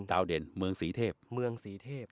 ดาวดินเมืองสีเทพ